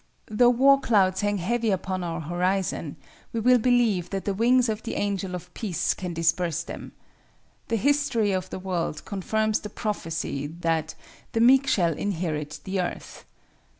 Though war clouds hang heavy upon our horizon, we will believe that the wings of the angel of peace can disperse them. The history of the world confirms the prophecy that "the meek shall inherit the earth."